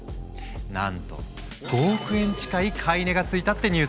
なんと５億円近い買い値がついたってニュースも！